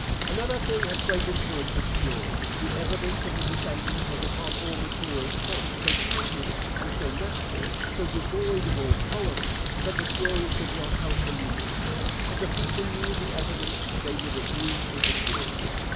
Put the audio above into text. Another thing had great influence with the jury the evidence of the defendants was upon all material points so candid and so natural, so devoid of all coloring, that the jury could not help believing. If the people knew the evidence they would agree with the jury.